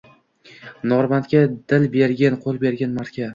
Nomardga – dil bergin, qo‘l bergin – mardga